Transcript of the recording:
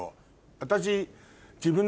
私。